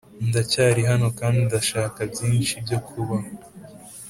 ndacyari hano kandi ndashaka byinshi byo kubaho,